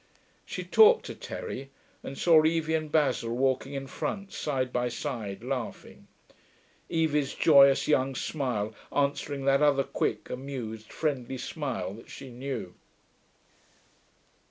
She talked to Terry, and saw Evie and Basil walking in front, side by side, laughing, Evie's joyous, young smile answering that other quick, amused, friendly smile that she knew.